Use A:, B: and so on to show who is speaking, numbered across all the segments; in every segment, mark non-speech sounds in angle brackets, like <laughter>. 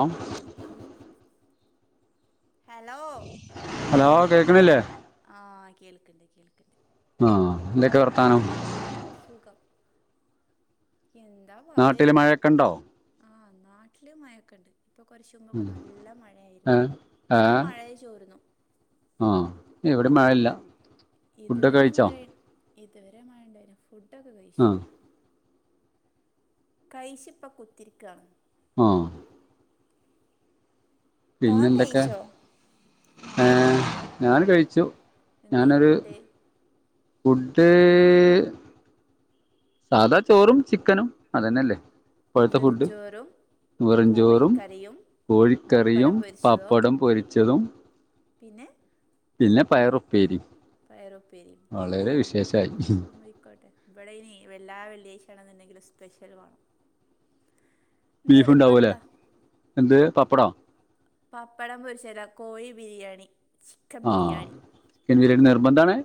A: ആം
B: hello
A: hello കേൾക്കണില്ലേ
B: ആ കേൾക്കിണ്ട് കേൾക്കിണ്ട്
A: ആഹ് എന്തൊക്കെ വർത്താനം
B: സുഖം എന്താ പാട്
A: നാട്ടില് മഴയൊക്കെ ഉണ്ടോ
B: ആഹ് നാട്ടില് മഴൊക്കെണ്ട് ഇപ്പൊ കുറച്ച് മുമ്പൊക്കെ
A: ഉം.
B: നല്ല
A: ഏ
B: മഴയായിരുന്നു
A: ഏ
B: ഇപ്പൊ മഴയ ചോരുന്നു
A: ആ ഇവിടെ മഴയില്ല ഫുഡൊക്കെ
B: ഇതുവരെ
A: കഴിച്ചോ
B: മഴേന്നു ഇതുവരെ മഴയുണ്ടായിന് ഫുഡൊക്കെ
A: ആ
B: കഴിച്ചു കൈച് ഇപ്പോ കുത്തിരിക്കാണ്
A: ആഹ് പിന്നെ
B: താൻ
A: എന്തൊക്കെ
B: കഴിച്ചോ
A: ഏ ഞാൻ കഴിച്ചു
B: എന്തേനി
A: ഞാനൊരു
B: ഫുഡ്
A: ഫുഡ്.. സാധാ ചോറും ചിക്കനും അതനെല്ലേ
B: വെറുഞ്ചോറും
A: വെറുംചോറും
B: കോഴിക്കറിയും
A: കോഴിക്കറിയും
B: വപ്പടം പൊരിച്ചതോ
A: പപ്പടം പൊരിച്ചതും
B: പിന്നെ
A: പിന്നെ പയറുപ്പേരി
B: പയറു പേരി ഉം ആയിക്കോട്ടെ ഇവിടെ അയിന് എല്ലാ വെള്ളിയായിച ആണെങ്കിലും സ്പെഷ്യൽ വേണം
A: ബീഫ് ഉണ്ടാവുലെ
B: നിർബന്ധാ
A: എന്തെ പപ്പടേ
B: പപ്പടം പൊരിച്ചെല്ല കോഴി ബിരിയാണി ചിക്കൻ
A: ആഹ്
B: ബിരിയാണി
A: എന്നു നിർബന്ധാണ്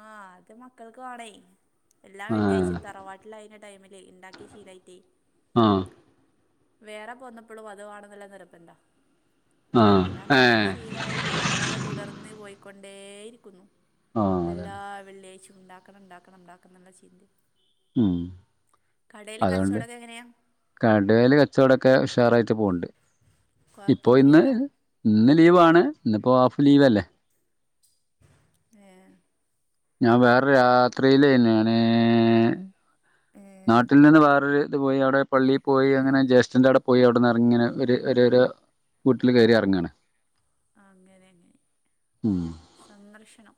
B: ആഹ് അത് മക്കൾക്ക് വാണേ എല്ലാം
A: ആഹ്
B: വെള്ളിയാഴ്ചയും തറവാട്ട് ലൈന ടൈമിലിൽ ഉണ്ടാക്കി ശീലായിറ്റേ
A: ആഹ്
B: വേറെ പോന്നപ്പോളും അത് വാണന്നുള നിർബന്ത
A: ആഹ്
B: ഇപ്പത അങ്ങനാണ്
A: ഏഹ്
B: ശീലമായി നമ്മളത് തുടർന്ന് പോയിക്കൊണ്ടേയിരിക്കുന്നു
A: ആഹ്
B: പ്പല്ലാ
A: അതന്നെ
B: വെള്ളിയാഴ്ച്ചും ഇണ്ടാക്കണം ഉണ്ടാക്കണം ഉണ്ടാക്കണം ന്നിള്ള ചിന്ത
A: ഉം. അതോണ്ട്
B: എങ്ങനെയാ
A: കടേല് കച്ചോടൊക്കെ ഉഷാറായിട്ട് പോവ്ണ്ട്. ഇപ്പോ ഇന്ന്
B: കൊയപ്പൊന്നില്ലല്ലോ?
A: ഇന്ന് ലീവാണ് ഇന്നിപ്പോൾ ഹാഫ് ലീവലേ.
B: ഏഹ്.
A: ഞാ വേറെ യാത്രിലെന് ഞാന്.
B: ഏ.
A: നാട്ടിനിന്ന് വേറൊരു ഇത് പോയി അവിടെ പള്ളിയി പോയി അങ്ങനെ ജേഷ്ഠന്റെവ്ടെ പോയി അവിടെന്നെർങ്ങിനെ ഒര് ഒരോ രോ. വീട്ടില് കേറി ഇറങ്ങാണ്.
B: അങ്ങനെ അങ്ങനെ
A: ഉം
B: സന്നർശനം.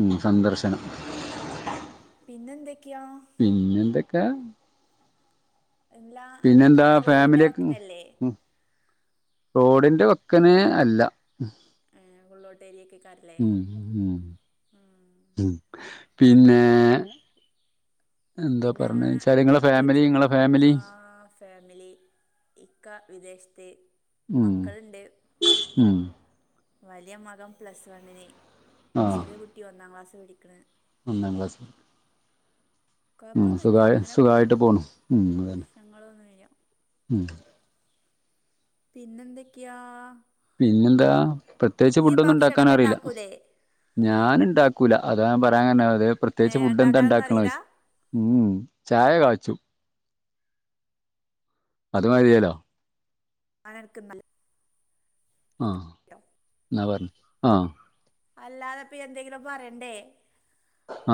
A: ഉം സന്ദർശനം.
B: പിന്നെന്തൊക്കെയാ?
A: പിന്നെന്തൊക്കെ.
B: ഇല്ലാ അന്റെ
A: പിന്നെന്താ
B: കട റോഡിന്റെ
A: ഫാമിലിയൊക്കെ
B: വക്കിനല്ലേ?
A: ഉം റോഡിന്റെ വക്ക്നെ അല്ല.
B: ആഹ് ഉള്ളോട്ടേരിയെക്കെകാരൊ.
A: ഉം ഉം ഉം പിന്നെ. എന്താ
B: പിന്നെ
A: പറണെച്ചാല് നിങ്ങളെ
B: വീട്ട്
A: ഫാമിലി നിങ്ങളെ
B: ആ
A: ഫാമിലി
B: ഫാമിലി ഇക്ക വിദേശത്ത്.
A: ഉം
B: മക്കളുണ്ട്
A: ഉം.
B: വലിയ മകം പ്ലസ് വണ്ണിന്
A: ആഹ്
B: ചെറിയ കുട്ടി ഒന്നാം ക്ലാസിപഠിക്ക്ണ്.
A: ഒന്നാം ക്ലാസില്.
B: കൊഴ്പ്പൊന്നുല്ല അങ്ങനെ പോണ്
A: സുഖായിട്ട് പോണു ഉം അതന്നെ
B: പ്രശ്നങ്ങളൊന്നില്ല.
A: ഉം.
B: പിന്നെന്തൊക്കെയാ?
A: പിന്നെന്താ പ്രത്യേകിച്ച്
B: ഈ
A: ഫുഡൊന്നു
B: ഭക്ഷണൊക്കെ
A: ഉണ്ടാക്കാനറില്ല.
B: ഉണ്ടാക്കൂലേ
A: ഞാന് ഇണ്ടാക്കൂല അതാ നാ പറയാ കരണ് അത്
B: ഏ
A: പ്രത്യേച്ച് ഫുഡ്
B: ഉണ്ടാക്കാനൊന്നും
A: എന്താണ്ടാക്കണോയ്ച്.
B: അറിയില്ല
A: ഉം ചായ കാച്ചും. അത് മതിയലോ.
B: അനർക്ക്ന്നലെ.
A: ആഹ് ന്നാപർഞ്ഞ് ആഹ്
B: അല്ലാതപ്പൊ എന്തെങ്കിലു പറയണ്ടേ.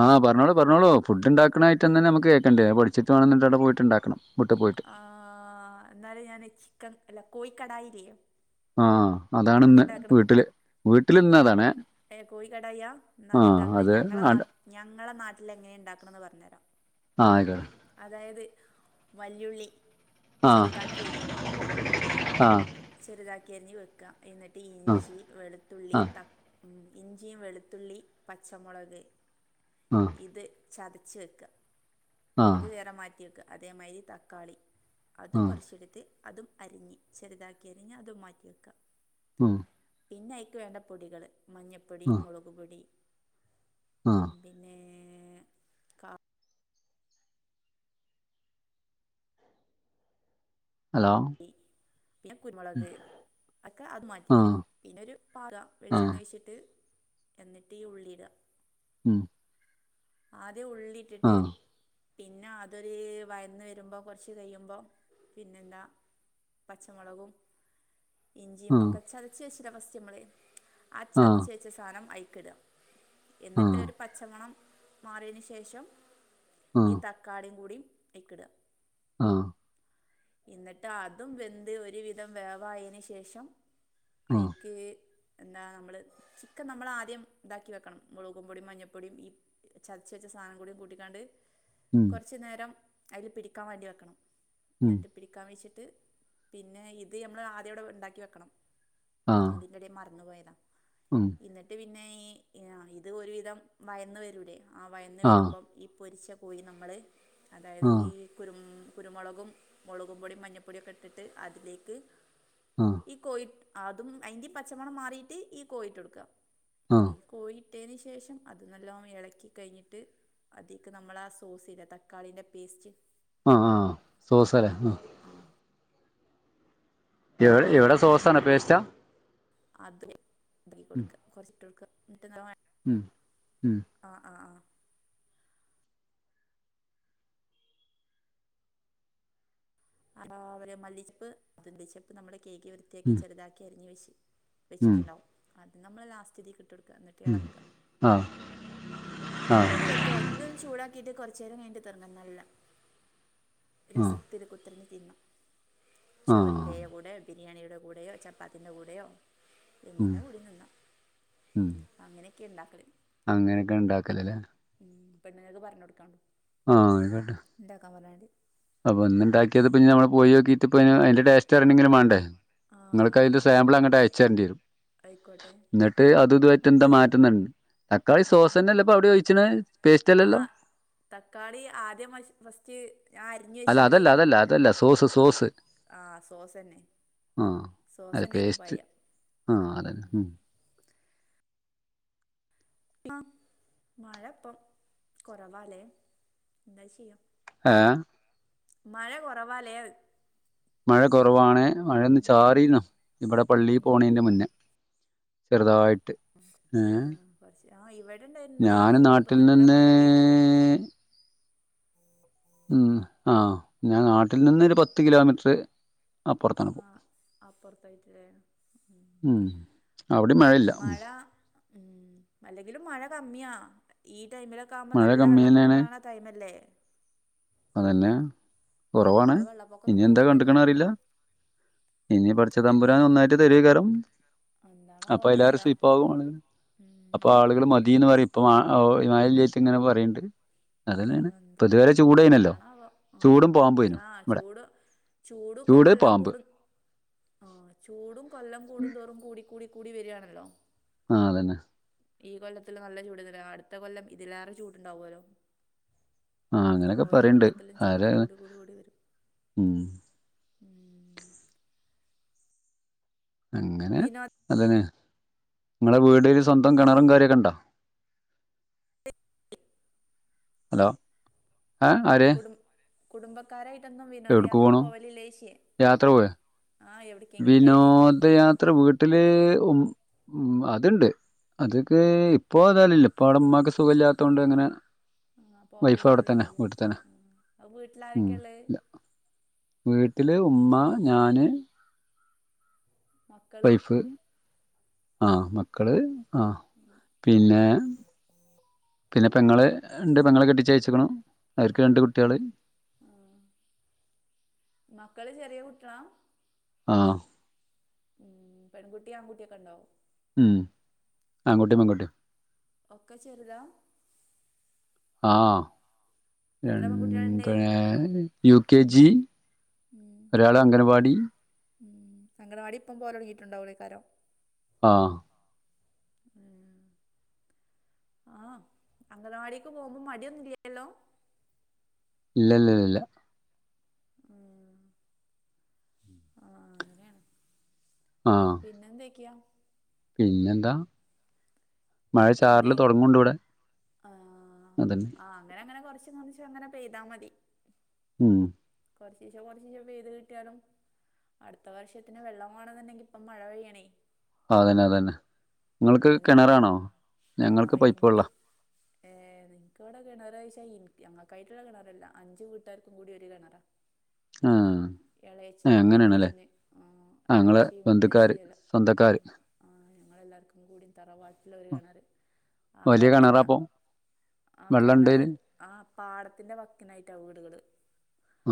A: ആഹ് പറഞ്ഞോളു പറഞ്ഞോളൂ ഫുഡ്ണ്ടാക്കണായ്ട്ടെന്നെ നമക്ക് കേക്കണ്ടെ അ പഠിച്ചിട്ട് വേണംന്നിട്ടവ്ടപോയിട്ട് ണ്ടാക്കണം വീട്ട് പോയിട്ട്.
B: ആഹ് എന്നാലെ ഞാന് ചിക്കൻ അല്ല കോഴിക്കടായിലിയ.
A: ആഹ് അതാണ്ന്ന് വീട്ടില് വീട്ടില്ന്നതാണ്.
B: ഏ കോഴികടായ്യാ ന്നത്ണ്ടാക്കണെ ഞങ്ങളെ
A: അത്
B: ഞങ്ങളെ നാട്ടിലെങ്ങനെ ണ്ടാക്കണ്ന്ന് പറഞ്ഞെരാ.
A: ആഹ് ആയിക്കോ
B: അതായത് വല്ല്യുളളി.
A: ആ
B: ചെറ്താക്കി അരിയ
A: ആ
B: ചെറ്താക്കി അരിഞ്ഞ് വെക്ക എന്നിട്ട്
A: ആ
B: ഇഞ്ചി വെളുത്തുള്ളി
A: ആ
B: ത ഇം ഇഞ്ചിയും വെളുത്തുള്ളി പച്ചമൊളക്.
A: ആഹ്.
B: ഇത് ചതച്ച് വെക്ക
A: ആ
B: അത് വേറെ മാറ്റി വെക്ക അതേമായ്രി തക്കാളി
A: ആ
B: അതും കുറച്ചെട്ത്ത്. അതും അരിഞ് ചെറ്താക്കി അരിഞ്ഞ് അതും മാറ്റിവെക്ക
A: ഉം.
B: പിന്നയ്ക്ക് വേണ്ട പൊടികള് മഞ്ഞപ്പൊടി
A: ആ
B: മുളക്പൊടി
A: ആ
B: ഉം. പിന്നേ.
A: ഹലോ
B: പിന്നെ കുര്മൊളക്. ഒക്കെ അത്
A: ആ
B: മാറ്റിക്ക പിന്നെ ഒരു പാത
A: ആ
B: വെളിച്ചെണ്ണ വെച്ചിട്ട് എന്നിട്ട് ഈ ഉള്ളീട
A: ഉം
B: ആദ്യ
A: ആ
B: ഉള്ളിയിട്ടിട്ട് പിന്നെ അതൊരു വയന്ന് വരുമ്പോ കുറച്ച് കഴിയുമ്പോ പിന്നെന്താ പച്ചമുളകും ഇഞ്ചിയും
A: ആ
B: ഒക്കെ ചതച്ചച്ചരവസ്യമ്മള ആ ചതിച്ച വെച്ച സാധനം അയിക്കിടുക എന്നിട്ട് ഒരു പച്ചമണം മാറിയതിന് ശേഷം
A: ആ
B: ഈ തക്കാളിയും കൂടിയും അയിക്കിടുക
A: ആഹ്
B: എന്നിട്ട് അതും വെന്ത് ഒരുവിധം വേവായതിന് ശേഷം
A: ആ
B: അയ്ക്ക് എന്താ നമ്മള് ചിക്കൻ നമ്മൾ ആദ്യം ഇതാക്കി വെക്കണം മുളകും പൊടിയും മഞ്ഞൾപ്പൊടിയും ഈ ചതച്ച് വെച്ച സാധനം കൂടി കൂട്ടിക്കാണ്ട്
A: ഉം
B: കുറച്ചു നേരം അതിൽ പിടിക്കാൻ വേണ്ടി വെക്കണം
A: ഉം
B: എന്നിട്ട് പിടിക്കാൻ വെച്ചിട്ട് പിന്നെ ഇത് നമ്മൾ ആദ്യം ഇവിടെ ഉണ്ടാക്കി വെക്കണം
A: ആ
B: അത് ഞാൻതി ഇത് ഞാൻ മറന്ന് പോയത
A: ഉം
B: എന്നിട്ട് പിന്നെ ഈ ഇത് ഒരുവിധം വയന്ന് വരൂലെ ആ വയന്ന്
A: ആ
B: വരുമ്പം ഈ പൊരിച്ചകോഴി നമ്മള് അതായത്
A: ആ
B: ഈ കുരു കുരുമുളകും മുളകും പൊടി മഞ്ഞൾപ്പൊടിയൊക്കെ ഇട്ടിട്ട് അതിലേക്ക്
A: ഉം
B: ഈ കോഴി അതും അതിന്റെ ഈ പച്ചമണം മാറിയിട്ട് ഈ കോഴിട്ട് കൊടുക്കുക
A: ആ
B: ഈ കോഴിട്ടതിന് ശേഷം അത് നല്ലോണം ഇളക്കി കഴിഞ്ഞിട്ട് അതിക്ക് നമ്മള് ആ സോസിൻ്റെ തക്കാളിന്റെ paste
A: ah ah സോസയാ ah
B: ah
A: A എവിടെ സോസാണ പേസ്റ്റ
B: അത് ഇതി കൊടുക്ക കുറച്ചിട്ട് കൊടുക്ക മറ്റത്
A: ഉം ഉം
B: ആഹ് ആഹ് ആഹ് ആ അവര് മല്ലിച്ചപ്പ് മല്ലിച്ചപ്പ് നമ്മുള് കഴുകി വൃത്തിയാക്കി
A: ഉം
B: ചെറുതാക്കി അരിഞ്ഞ് വെച്ച്
A: ഉം
B: വെച്ചിട്ടുണ്ടാവും അത് നമ്മള് ലാസ്റ്റ് ഇതീക്ക് ഇട്ട് കൊടുക്കുക എന്നിട്
A: ഉം
B: എളക്കുക
A: ആ
B: എടക്കൊന്ന്
A: ആ
B: മൂടിവെക്കുക ക്കെ ഒന്ന് ചൂടാക്കിയിട്ട് കുറച്ച് നേരം കഴിഞ്ഞട്ട് തുറക്കണം നല്ല
A: ആ
B: രസത്തില് <unintelligible> തിന്ന
A: ആ
B: ചോറിന്റെ കൂടെയൊ ബിരിയാണിയുടെ കൂടെയോ ചപ്പാത്തിൻ്റെ കൂടെയോ
A: ഉം
B: എന്തിന്റെ കൂടെയും നിന്നാം
A: ഉം
B: അങ്ങനെയൊക്കെ ഉണ്ടാക്കല്
A: അങ്ങനെയൊക്കെ ഉണ്ടാക്കലല്ലേ
B: ഉം പെണ്ണ്ങ്ങൾക്ക് പറഞ്ഞ് കൊടുക്കാണ്ടോ
A: ആഹ് <unintelligible>
B: എന്താ <unintelligible>
A: അപ്പൊ എന്നിണ്ടാക്കിയത് പിന്നെ നമ്മൾ പോയി നോക്കിട്ട് ഇപ്പ അതിന്റെ ടേസ്റ്റ് <unintelligible> വേണ്ടേ
B: ആ
A: നിങ്ങൾക്ക് അതിന്റെ
B: അത്
A: സാമ്പിളങ്ങട്ട് അയച്ചരേണ്ടിവരും
B: ആയിക്കോട്ടെ
A: എന്നിട്ട് അത് ഇതുവയ്റ്റെന്താ മാറ്റുന്നുണ്ട് തക്കാളി സോസ തന്നെല്ലപ്പ അവിടോയിച്ചനത്
B: ആഹ് തക്കാളി ആദ്യം <unintelligible> ഫസ്റ്റ് ഞാ അരിഞ്ഞ്
A: അല്ല
B: വെച്ചില്ലേ
A: അതല്ല അതല്ല അതല്ല സോസ്
B: ആഹ്
A: സോസ്
B: ആഹ് സോസ് തന്നെ
A: ആഹ് അല്ല
B: സോസനയ്ക്കു
A: പേസ്റ്റ്
B: പയ
A: ആഹ് അതല്ല ഉം
B: ആ മഴപ്പം കുറവാലേ എന്താ ചെയ്യാം
A: ഏഹ്
B: മഴ കുറവാലേന്ന്
A: മഴ കൊറവാണ് മഴൊന്ന്
B: ഉം
A: ചാറിന്നു ഇവടെ പള്ളി
B: ഉം
A: പോണേന്റെ മുന്നേ ചെറുതായിട്ട് ഏഹ്
B: ആഹ് കൊറച്ച് ആഹ് ഇവിടെണ്ടാരുന്നു
A: ഞാന്
B: കൊറച്ച് മുമ്പ്
A: നാട്ടിൽ
B: നല്ല
A: നിന്ന്
B: മഴ പെയ്തിരുന്നു
A: ഉം ആഹ് ഞാൻ നാട്ടിൽ നിന്ന് ഒരു പത്ത് കിലോമീറ്റർ അപ്പുറത്താണ്
B: ആഹ് അപ്പുറത്തേക്ക്ല്ലേ ഉം
A: അവിടെം മഴയില്ല
B: മഴ ഉം അല്ലെങ്കിലും മഴ കമ്മിയാ ഈ ടൈമിലൊക്കെ ആകുമ്പ
A: മഴ
B: നല്ല
A: കമ്മി
B: വെള്ളപ്പൊക്കം
A: തന്നെയാണ്
B: ഇണ്ടാകണ ടൈമല്ലേ
A: അതന്നെയാ
B: ആഹ്
A: കൊറവാണ്
B: അപ്പൊ
A: ഇനി
B: വെള്ളപ്പൊക്കൊന്നും
A: എന്താ
B: കാണാനില്ലല്ലോ
A: കണ്ട്ക്കണ അറിയില്ല ഇനി പഠച്ച
B: എൻ
A: തമ്പുരാൻ ഒന്നായി തെരേകാലം
B: എന്താണാവോ
A: അപ്പൊ എല്ലാരും
B: അറിയില്ല
A: സ്വീപ്പാവും അപ്പൊ
B: ഉം
A: ആളുകൾ മതീന്നറയും ഇപ്പൊ വ ഹിമാലയലെയ്ത്ത് ഇങ്ങനെ പറയ്ണ്ട് അതെന്നെയാണ് ഇപ്പതുവരെ ചൂടെയ്നല്ലേ
B: ആവ ആഹ് ചൂട് ചൂടുപ്പ
A: ചൂട് പാമ്പ്
B: കൊല്ലംകൂടും ആഹ് ചൂടും കൊല്ലം കൂടും തോറും കൂടി കൂടി കൂടി വര്യാണല്ലോ
A: ആഹ് അതന്നെ
B: ഈ കൊല്ലത്തില് നല്ല ചൂട്ന്നല്ല അടുത്ത കൊല്ലം ഇതിലേറെ ചൂടുണ്ടാവല്ലോ
A: ആ അങ്ങനെയൊക്കെ
B: ഓരോ
A: പറയണ്ട്
B: കൊല്ലത്തിലും ചൂട്
A: ആര്
B: കൂടി കൂടി കൂടി വരും
A: ഉം
B: ഉം
A: അങ്ങനെ
B: വിനോ
A: അതന്നെ നിങ്ങളെ വീടില് സ്വന്തം കിണറും കാര്യൊക്കെണ്ടോ
B: <inaudible>
A: ഹലോ ഏഹ് ആരെ
B: കുടും കുടുംബക്കാരായിട്ടൊന്നും വിനോദയാത്ര
A: പോണു
B: പോവലിലേശിയെ
A: യാത്ര പോയോ
B: ആഹ് എവിടെ
A: വിനോദയാത്ര വീട്ടില് ഉം ഉം അതുണ്ട് അത്ക്ക്
B: ആഹ്
A: ഇപ്പൊ അതാലില്ല ഇപ്പവടെ ഉമ്മാക്ക് സുഖ ഇല്ലാത്തോണ്ടിങ്ങനെ
B: ആഹ്
A: വൈഫ് അവിടെത്തന്നെ
B: പോവലുണ്ടാവില്ലേക്കാരല്ലേ
A: വീട്ടിതന്നെ
B: ആഹ് അപ്പൊ
A: ഉം
B: വീട്ടിലാരൊക്കെയാ ഉള്ളത്
A: ഇല്ല വീട്ടില് ഉമ്മ ഞാന്
B: മക്കള്
A: വൈഫ് ആഹ് മക്കള് ആഹ്
B: മ്
A: പിന്നെ പിന്നെ പെങ്ങള് ഇണ്ട് പെങ്ങളെ കെട്ടിച്ചയച്ചേക്കണു അവർക്ക് രണ്ട് കുട്ടികള്
B: ആഹ് മക്കള് ചെറിയ കുട്ടിയളാ
A: ആഹ്
B: ഉം പെൺകുട്ടി ആൺകുട്ടിയൊക്കെണ്ടോ
A: ഉം ആങ്കുട്ടിം പെങ്കുട്ടിം
B: ഒക്കെ ചെറുതാ
A: ആഹ്
B: എത്ര പെൺകുട്ടികളുണ്ട്
A: രണ് ഏഹ് യു കെ ജി
B: ഉം
A: ഒരാള് അംഗണവാടി
B: ഉം അങ്കണവാടി ഇപ്പം പോലെടങ്ങിട്ടുണ്ടാവുള്ളേക്കാരോ
A: ആഹ്
B: ഉം ആഹ് അംഗണവാടിക്ക് പോമ്പം മടിയൊന്നു ഇല്ലാല്ലോ
A: ഇല്ല ഇല്ലല്ല ഇല്ല
B: ഉം ആഹ് അങ്ങനെയാണ്
A: ആഹ്
B: പിന്നെന്തെക്കെയ
A: പിന്നെന്താ മഴ
B: എന്തെ
A: ചാറല് തുടങ്ങുണ്ട് ഇവിടെ
B: ആഹ്
A: അതന്നെ
B: ആഹ് അങ്ങനെ അങ്ങനെ കൊറച്ച്കാണിച്ച് അങ്ങനെ പെയ്താ മതി
A: ഉം
B: കൊറച്ചീശെ കൊറച്ചീശെ പെയ്ത് കിട്ടിയാലും അടുത്ത വർഷത്തിന് വെള്ളം വേണന്നുണ്ടെങ്കി ഇപ്പം മഴ പെയ്യണേ
A: അതന്നെ അതന്നെ ഇങ്ങൾക്ക്
B: അല്ലാതെ
A: കിണറാണോ ഞങ്ങൾക്ക്
B: ആഹ്
A: പൈപ്പ്
B: ഇനിക്ക്
A: വെള്ളവാ
B: ഏഹ് എൻക്കിവടെ കിണറഴിച്ചാൽ ഇൻ ഞങ്ങക്കായിട്ടുള്ള കിണറല്ല അഞ്ചു വീട്ടാർക്കും കൂടി ഒരു കിണറാ.
A: ആഹ്
B: എളയച്ചന് മൂത്തച്ഛന് ആ
A: ആഹ് ഇങ്ങളെ
B: എളയേച്ചി മൂത്തേച്ചി
A: ബന്ധുക്കാര്
B: എല്ലാ
A: സ്വന്തക്കാര്
B: ആഹ് ഞങ്ങൾ എല്ലാവർക്കും കൂടി തറവാട്ടിലൊരു കിണറ് ആ
A: ഒരു
B: കിണറ്റിന്നാ
A: കിണറാപ്പം
B: ആ കെണറ് ആ പാടത്തിന്റെ വക്കിനായിട്ടാ വീടുകള്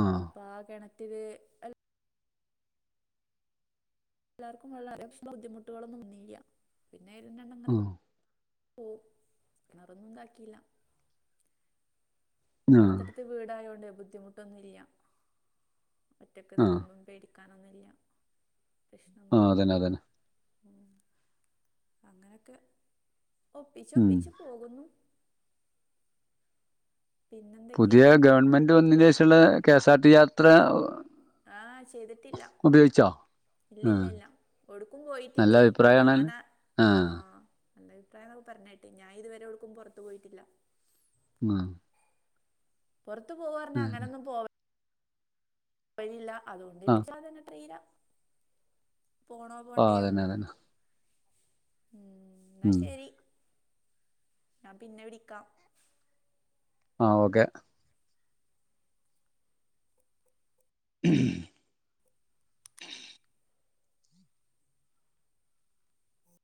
A: ആഹ്
B: പ്പാ കിണറ്റില് എല്ല എല്ലാർക്കും വളരെ <inaudible> ബുദ്ധിമുട്ടുകളൊന്നും വന്നില്ല്യ പിന്നെ വ
A: ആഹ്
B: ഓ കെണറൊന്നും ഇതാക്കിയില്ല.
A: ആഹ്
B: അടുത്തടുത്ത് വീടായോണ്ടേ ബുദ്ധിമുട്ടൊന്നും ഇല്ല ഒറ്റൊക്
A: ആഹ്
B: നിക്കുമ്പോം പേടി ക്കാനൊന്നില്ല
A: ആഹ്
B: പ്രശ്ണങ്ങളൊന്നില്ല
A: അതന്നെ അതന്നെ
B: ഉം. അങ്ങനൊക്കെ ഒപ്പിച്ച്
A: ഉം
B: ഒപ്പിച്ച് പോകുന്നു. പിന്നെന്തൊക്കെയാ
A: പുതിയെ ഗവൺമെന്റ് വന്നിന്റെ ശേഷോള്ളെ കെ സ ആർ ടി യാത്ര
B: ആഹ് ചെയ്തിട്ടില്ല.
A: ഉപയോഗിച്ച?
B: ഇല്ല ഇല്ല ഇല്ല ഒടുക്കും
A: നല്ല
B: പോയിട്ടില്ലേ
A: അഭിപ്രായാണല്ലോ
B: ഞാനെ ആഹ്. നല്ല അഭിപ്രായന്ന് പറഞ്ഞേട്ട് ഞാൻ ഇതുവരെ എവ്ടുക്കും പുറത്ത് പോയിട്ടില്ല.
A: മാ.
B: പുറത്ത് പോവാ പറഞ്ഞാ അങ്ങനൊന്നും വരില്ല അതുകൊണ്ട്
A: ആഹ്
B: പിച്ചാത് <unintelligible> ത്രീരാ പോണോ
A: ആഹ്
B: പോണ്ടേയോ
A: അതന്നെ
B: ഉം.
A: അതന്നെ
B: ന്നാ
A: ഉം
B: ശരി ഞാൻ പിന്നെ വിളിക്കാം.
A: ആഹ് ഓക്കെ. ഉ